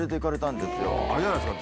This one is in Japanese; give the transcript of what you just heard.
あれじゃないですか？